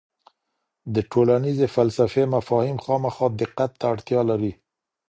د ټولنيزي فلسفې مفاهیم خامخا دقت ته اړتیا لري.